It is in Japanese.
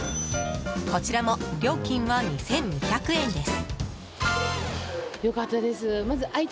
こちらも料金は２２００円です。